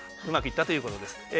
うまくいったということです。